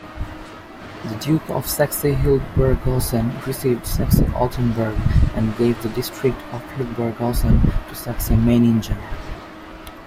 The Duke of Saxe-Hildburghausen received Saxe-Altenburg, and gave the district of Hildburghausen to Saxe-Meiningen.